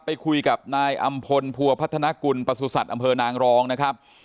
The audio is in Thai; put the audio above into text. ไปคุยกับนายอำพลพัวพัฒนากุลประสุทธิ์อำเภอนางรองนะครับ